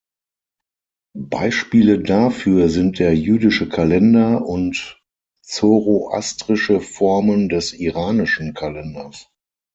Beispiele dafür sind der jüdische Kalender und zoroastrische Formen des iranischen Kalenders.